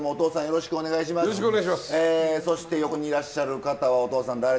そして横にいらっしゃる方はおとうさん誰ですか？